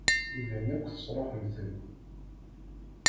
Iban akk tesṛuḥemt-ten.